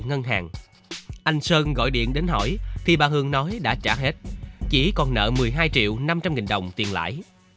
anh sơn gọi điện đến hỏi thì bà hường nói đã trả hết chỉ còn nợ một mươi hai triệu năm trăm linh nghìn đồng tiền lãi